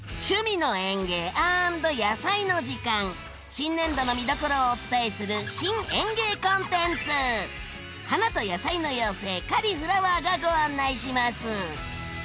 新年度の見どころをお伝えする花と野菜の妖精カリ・フラワーがご案内します！